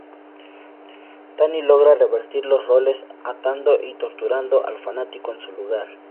Tani logra revertir los roles atando y torturando al fanático en su lugar.